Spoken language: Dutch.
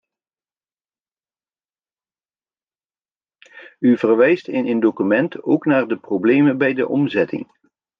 U verwijst in een document ook naar problemen bij de omzetting.